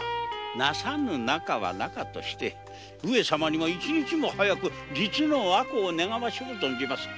生さぬ仲は仲として上様には一日も早く実の和子を願わしゅう存じまする。